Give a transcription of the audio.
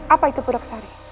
apa itu puraksari